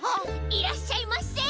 いらっしゃいませ。